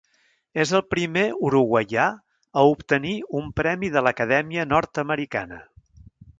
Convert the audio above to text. És el primer uruguaià a obtenir un premi de l'acadèmia nord-americana.